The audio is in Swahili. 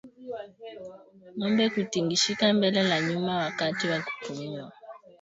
Ngombe kutingishika mbele na nyuma wakati wa kupumua